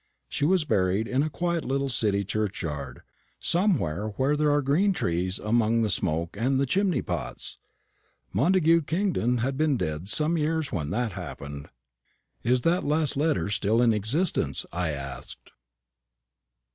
She was buried in a quiet little city churchyard, somewhere where there are green trees among the smoke of the chimney pots. Montagu Kingdon had been dead some years when that happened." "Is that last letter still in existence?" I asked.